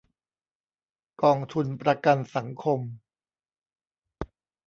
กองทุนประกันสังคม